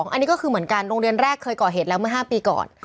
อันนี้ก็คือเหมือนกันโรงเรียนแรกเคยก่อเหตุแล้วเมื่อ๕ปีก่อน